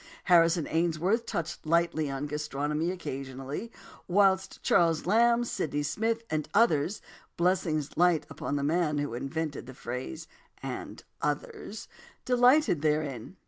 Harrison Ainsworth touched lightly on gastronomy occasionally, whilst Charles Lamb, Sydney Smith, and others (blessings light on the man who invented the phrase "and others") delighted therein.